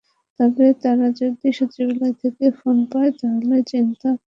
তবে তঁারা যদি সচিবালয় থেকে ফোন পান, তাহলে চিন্তা করে দেখতে পারেন।